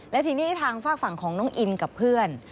และทีนี้ทางฝากฝั่งของน้องอินกับเพื่อน